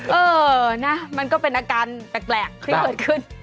เออนะมันก็เป็นอาการแปลกขึ้นขึ้น